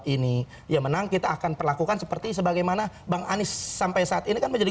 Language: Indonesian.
ini ya menang kita akan perlakukan seperti sebagaimana bang anies sampai saat ini kan menjadi